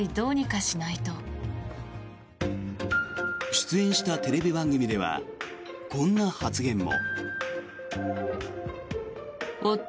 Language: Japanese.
出演したテレビ番組ではこんな発言も。